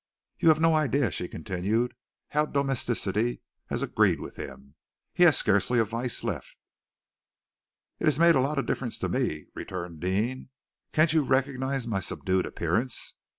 You have no idea," she continued, "how domesticity has agreed with him. He has scarcely a vice left." "It has made a lot of difference to me," returned Deane. "Can't you recognize my subdued appearance?"